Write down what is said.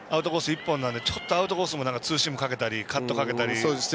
一本なのでアウトコースもツーシームかけたりカットをかけたり。